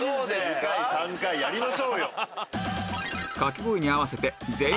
２回３回やりましょうよ！